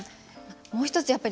もう一つ